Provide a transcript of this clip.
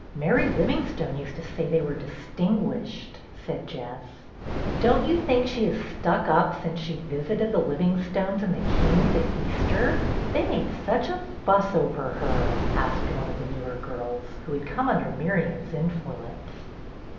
Mary Livingstone used to say they were ' distin guished,' " said Jess. "Don't you think she is stuck up since she visited the Livingstones and the Kings at Easter? They made such a fuss over her," asked one of the newer girls, who had come under Miriam's influence.